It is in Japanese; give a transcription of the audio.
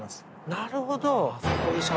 なるほど！